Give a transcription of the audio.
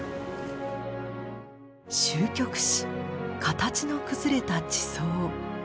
褶曲し形の崩れた地層。